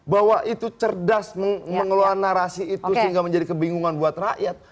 bahwa itu cerdas mengeluarkan narasi itu sehingga menjadi kebingungan buat rakyat